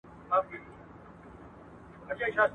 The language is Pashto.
بسته کې ټیلیفون کارول د خوب ګډوډي رامنځته کوي.